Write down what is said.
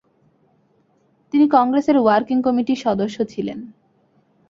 তিনি কংগ্রেসের ওয়ার্কিং কমিটির সদস্য ছিলেন।